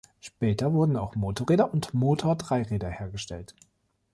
Später wurden auch Motorräder und Motor-Dreiräder hergestellt.